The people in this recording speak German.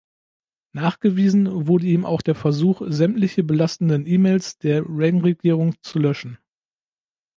Nachgewiesen wurde ihm auch der Versuch, sämtliche belastenden E-Mails der Reagan-Regierung zu löschen.